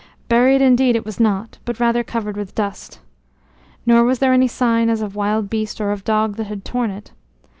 Buried indeed it was not, but rather covered with dust. Nor was there any sign as of wild beast or of dog that had torn it.